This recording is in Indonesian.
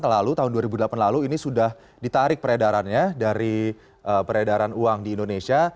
dua ribu tiga belas dua ribu delapan lalu tahun dua ribu delapan lalu ini sudah ditarik peredarannya dari peredaran uang di indonesia